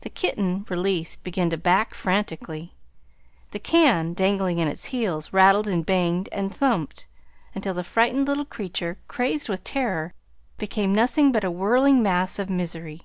The kitten, released, began to back frantically. The can, dangling at its heels, rattled and banged and thumped, until the frightened little creature, crazed with terror, became nothing but a whirling mass of misery.